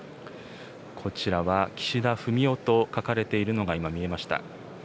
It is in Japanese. こちらは岸田文雄と書かれているのが今、見えました。